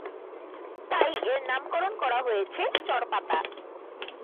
তাই এর নামকরণ করা হয়েছে চর পাতা।